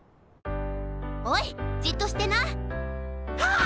おいじっとしてな！